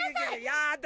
やだ！